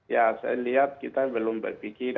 ya saya lihat kita belum berpikir